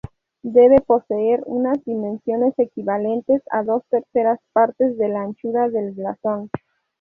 Debe poseer unas dimensiones equivalentes a dos terceras partes de la anchura del blasón.